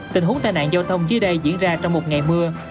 tình huống tai nạn giao thông dưới đây diễn ra trong một ngày mưa